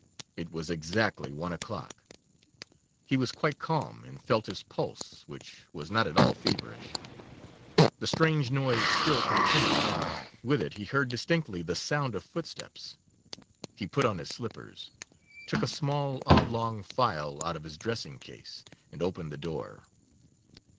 It was exactly one o'clock. He was quite calm, and felt his pulse, which was not at all feverish. The strange noise still continued, and with it he heard distinctly the sound of footsteps. He put on his slippers, took a small oblong phial out of his dressing case, and opened the door.